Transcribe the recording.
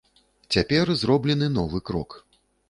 Цяпер зроблены новы крок.